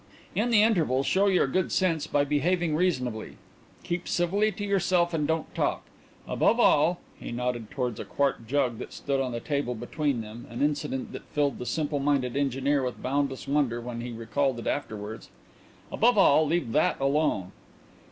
"In the interval show your good sense by behaving reasonably. Keep civilly to yourself and don't talk. Above all" he nodded towards a quart jug that stood on the table between them, an incident that filled the simple minded engineer with boundless wonder when he recalled it afterwards "above all, leave that alone."